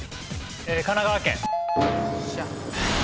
神奈川県。